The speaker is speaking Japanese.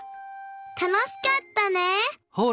たのしかったね！